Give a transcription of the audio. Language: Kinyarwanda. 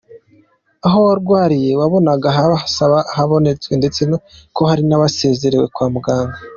Aho barwariye wabonaga basa n’aborohewe ndetse ngo hari n’abasezerewe kwa muganga.